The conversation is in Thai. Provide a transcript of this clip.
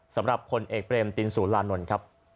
สำหรับคนเอกเปลมตินสู้ลานนท์